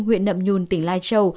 huyện nậm nhùn tỉnh lai châu